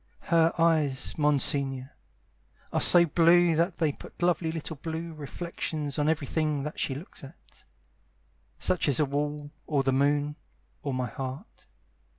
Her eyes, Monsignore, Are so blue that they put lovely little blue reflections On everything that she looks at, Such as a wall Or the moon Or my heart.